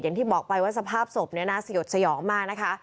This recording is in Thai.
อย่างที่บอกไปว่าสภาพศพเนี่ยนะสยดสยองมากนะคะ